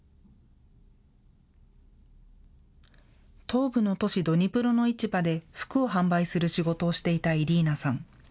東部の都市、ドニプロの市場で服を販売する仕事をしていたイリーナさん。